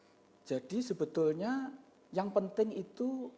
ya jadi sebetulnya yang penting itu